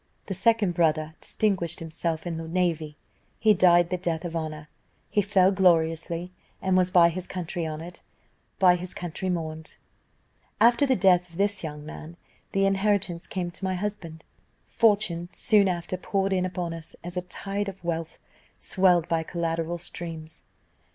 "The second brother distinguished himself in the navy; he died the death of honour; he fell gloriously, and was by his country honoured by his country mourned. "After the death of this young man, the inheritance came to my husband. Fortune soon after poured in upon us a tide of wealth, swelled by collateral streams.